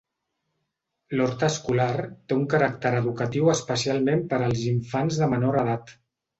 L'hort escolar té un caràcter educatiu especialment per als infants de menor edat.